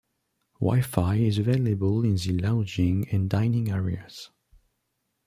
Wi-Fi is available in the lounging and dining areas.